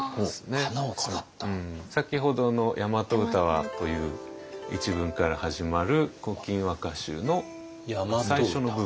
先ほどの「やまと歌は」という一文から始まる「古今和歌集」の最初の部分。